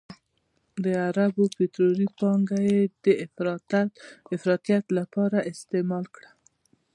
د عربو پطرولي پانګه یې د افراطیت لپاره استعمال کړه.